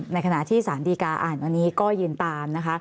ในขณะที่สารดีกางศ์อาญวันนี้ก็ยืนตาม